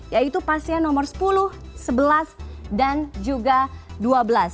yaitu pasien nomor sepuluh sebelas dan juga dua belas